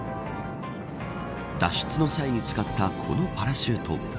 脱出の際に使ったこのパラシュート。